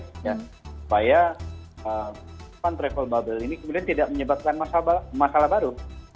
supaya fund travel bubble ini kemudian tidak menyebabkan masalah baru